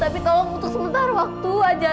tapi tolong untuk sementara waktu aja